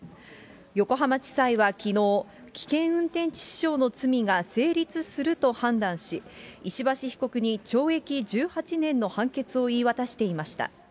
横浜地裁はきのう、危険運転致死傷の罪が成立すると判断し、石橋被告に懲役１８年の判決を言い渡していました。